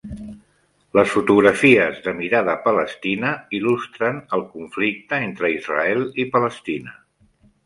Les fotografies de Mirada Palestina il·lustren el conflicte entre Israel i Palestina.